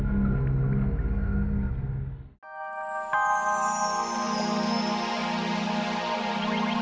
ada orang di dalam